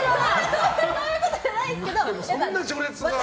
そういうことじゃないですよ！